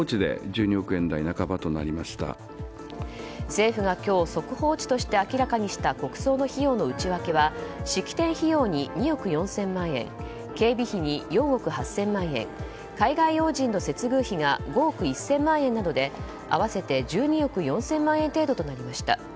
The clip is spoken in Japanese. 政府が今日速報値として明らかにした国葬の費用の内訳は式典費用に２憶４０００万円警備費に４億８０００万円海外要人の接遇費が５億１０００万円などで合わせて１２億４０００万円程度となりました。